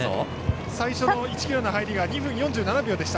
最初の１ｋｍの入りが２分４７秒でした。